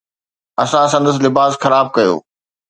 اسان سندس لباس خراب ڪيو.